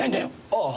ああ。